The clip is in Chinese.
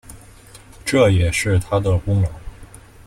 这也是他的功劳